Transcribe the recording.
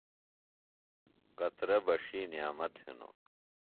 قطرہ بݜی نعمت ہِنوۡ۔